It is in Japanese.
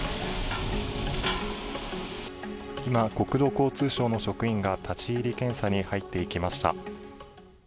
今、国土交通省の職員が、立ち入り検査に入っていきました。